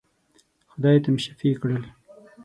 خدای ته مي شفېع کړل.